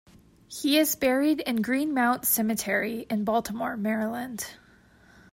He is buried in Green Mount Cemetery in Baltimore, Maryland.